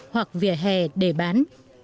hoặc vỉa hè để bán